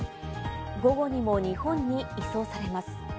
午後にも日本に移送されます。